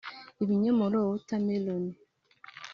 ibinyomoro water melon